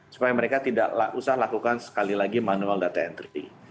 supaya mereka tidak usah lakukan sekali lagi manual data entry